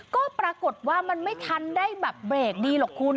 ก็ปรากฏว่ามันไม่ทันได้แบบเบรกดีหรอกคุณ